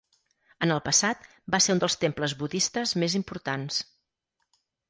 En el passat, va ser un dels temples budistes més importants.